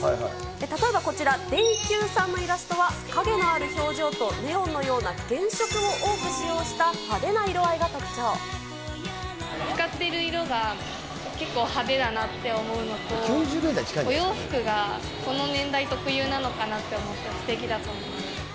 例えばこちら、電Ｑさんのイラストは、陰のある表情とネオンのような原色を多く使用した派手な色合いが使っている色が、結構、派手だなって思うのと、お洋服がこの年代特有なのかなって思って、すてきだと思います。